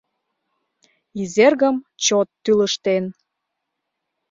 Изергым чот тӱлыжтен...